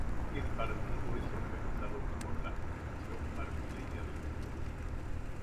El partido es organizado por la Federación Marfileña de Fútbol.